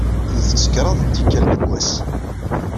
Ntett kraḍ n tikkal deg wass.